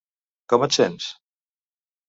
Com ets sents?